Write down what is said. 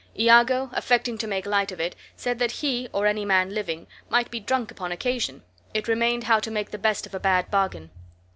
Iago, affecting to make light of it, said that he, or any man living, might be drunk upon occasion; it remained now to make the best of a bad bargain.